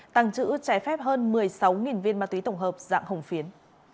tăng trữ trái phép hơn một mươi sáu viên ma túy tổng hợp dạng hồng phiến